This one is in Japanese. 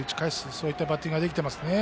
そういったバッティングができてますね。